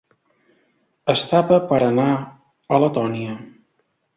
Es tapa per anar a Letònia.